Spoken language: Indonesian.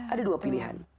ada dua pilihan